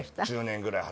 １０年ぐらい？